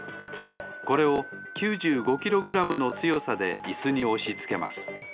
これを９５キログラムのつよさでイスにおしつけます。